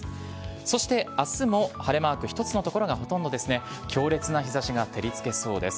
そしてあすも晴れマーク１つの所がほとんどですね、強烈な日ざしが照りつけそうです。